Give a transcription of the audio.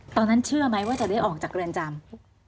ตอนนั้นเชื่อไหมว่าจะได้ออกจากเรือนจำ